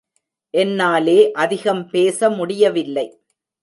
என்னாலே அதிகம் பேச முடியவில்லை.